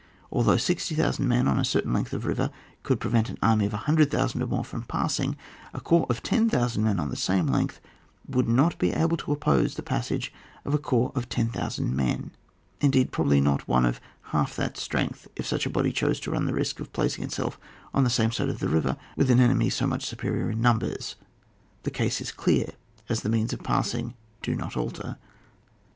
Although 60,000 men on a certain length of river could prevent an army of 100,000 or more from passing, a corps of 10,000 on the same length would not be able to oppose the passage of a corps of 10,000 men, indeed, probably, not of one half that strength if such a body chose to run the risk of placing itself on the same side of the river with an enemy so much superior in numbers. The case is clear, as the means of passing do not alter.